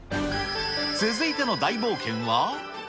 続いての大冒険は。